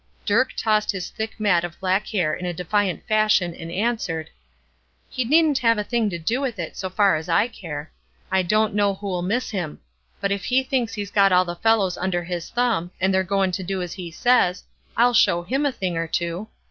Dirk tossed his thick mat of black hair in a defiant fashion and answered: "He needn't have a thing to do with it, so far as I care. I don't know who'll miss him; but if he thinks he's got all the fellows under his thumb, and they're goin' to do as he says, I'll show him a thing or two.